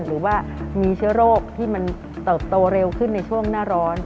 หรือว่ามีเชื้อโรคที่มันเติบโตเร็วขึ้นในช่วงหน้าร้อน